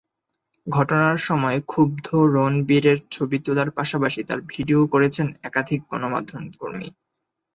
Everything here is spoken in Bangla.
ঘটনার সময় ক্ষুব্ধ রণবীরের ছবি তোলার পাশাপাশি তাঁর ভিডিও করেছেন একাধিক গণমাধ্যমকর্মী।